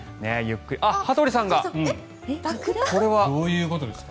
羽鳥さんが、これは。どういうことですか？